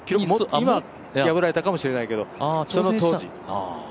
今、破られたかもしれないけど、その当時。